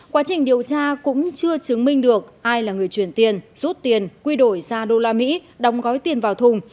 quá trình điều tra cũng chưa chứng minh được ai là người chuyển tiền rút tiền quy đổi ra usd đóng gói tiền vào thùng